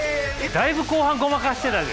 だいぶ後半ごまかしてたで。